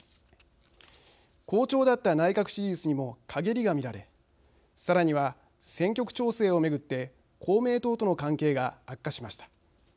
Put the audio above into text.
好調だった内閣支持率にもかげりが見られさらには選挙区調整を巡って公明党との関係が悪化しました。